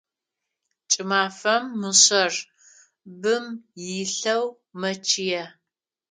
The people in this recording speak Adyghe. Кӏымафэм мышъэр бым илъэу мэчъые.